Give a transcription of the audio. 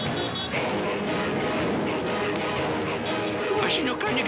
わしの金が！